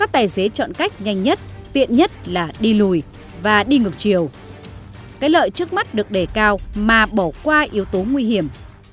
tài xế chọn cách nhanh nhất tiện nhất là đi lùi và đi ngược chiều cái lợi trước mắt được để cao mà bỏ qua yếu tố nguy hiểm